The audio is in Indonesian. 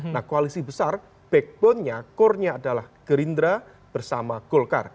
nah koalisi besar backbone nya core nya adalah gerindra bersama golkar